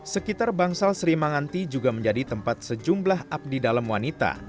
sekitar bangsal sri manganti juga menjadi tempat sejumlah abdi dalam wanita